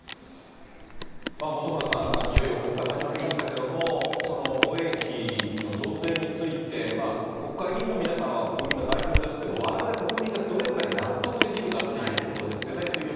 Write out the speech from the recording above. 本村さん、いよいよ国会始まりましたけれども、その防衛費の増税について、国会議員の皆さんは国民の代表ですけれども、われわれ国民がどれぐらい納得できるかっていうところですよね。